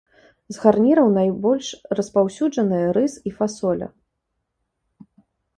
З гарніраў найбольш распаўсюджаныя рыс і фасоля.